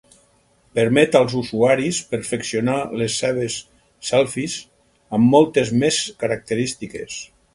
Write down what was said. Permet als seus usuaris perfeccionar les seves selfies amb moltes més característiques.